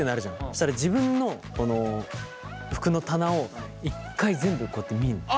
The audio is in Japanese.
そしたら自分の服の棚を１回全部こうやって見るんだよ。